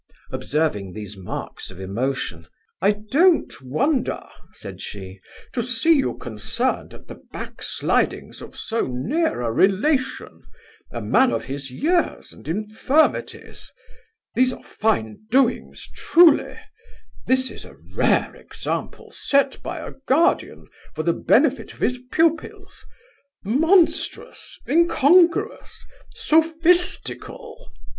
Observing these marks of emotion, 'I don't wonder (said she) to see you concerned at the back slidings of so near a relation; a man of his years and infirmities: These are fine doings, truly This is a rare example, set by a guardian, for the benefit of his pupils Monstrous! incongruous! sophistical!